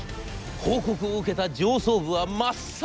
報告を受けた上層部は真っ青。